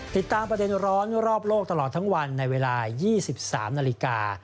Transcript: ติดตามประเด็นร้อนรอบโลกตลอดทั้งวันในเวลา๒๓นาฬิกา